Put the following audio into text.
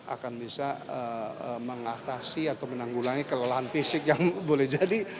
akan bisa mengatasi atau menanggulangi kelelahan fisik yang boleh jadi